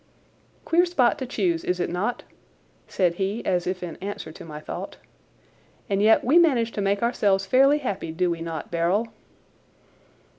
"Queer spot to choose, is it not?" said he as if in answer to my thought. "And yet we manage to make ourselves fairly happy, do we not, Beryl?"